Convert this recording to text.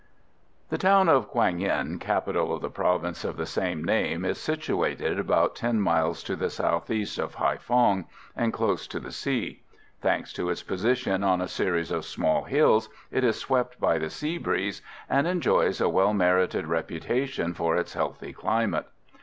The town of Quang Yen, capital of the province of the same name, is situated about 10 miles to the south east of Haïphong, and close to the sea. Thanks to its position on a series of small hills, it is swept by the sea breeze, and enjoys a well merited reputation for its healthy climate.